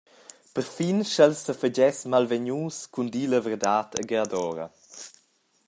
Perfin sch’el sefagess malvegnius cun dir la verdad agradora.